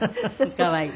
可愛い。